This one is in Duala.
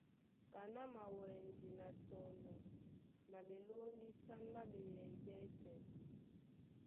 Kaná mawɛndi na tɔnɔ na ɓelóŋgísán ɓá beyɛy ɓɛ́sɛ̄.